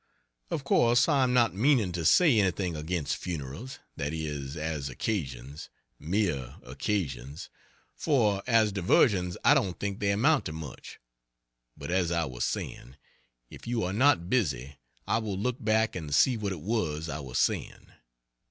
Of course I am not meaning to say anything against funerals that is, as occasions mere occasions for as diversions I don't think they amount to much But as I was saying if you are not busy I will look back and see what it was I was saying.